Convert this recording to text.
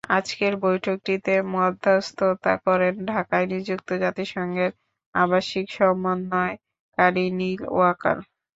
আজকের বৈঠকটিতে মধ্যস্থতা করেন ঢাকায় নিযুক্ত জাতিসংঘের আবাসিক সমন্বয়কারী নিল ওয়াকার।